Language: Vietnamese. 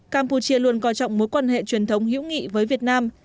campuchia luôn coi trọng mối quan hệ truyền thống hữu nghị với việt nam